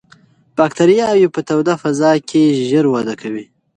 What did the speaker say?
باکتریاوې په توده فضا کې ژر وده کوي.